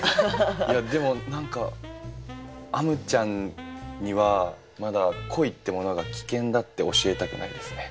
いやでも何かあむちゃんにはまだ恋ってものが危険だって教えたくないですね。